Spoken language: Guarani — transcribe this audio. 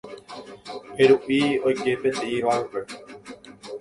Peru'i oike peteĩ barpe.